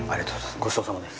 ごちそうさまです。